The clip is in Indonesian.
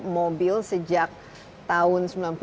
mobil sejak tahun